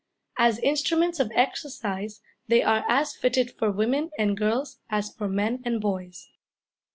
As instruments of exercise they are as fitted for women and girls as for men and boys.